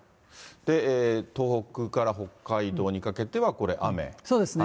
東北から北海道にかけては、これ、そうですね。